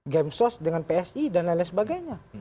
gemsos dengan psi dan lain lain sebagainya